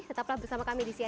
tetaplah bersama kami di sini